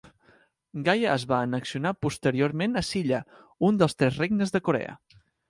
Gaya es va annexionar posteriorment a Silla, un dels tres regnes de Corea.